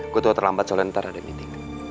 gue tau terlambat soalnya ntar ada meeting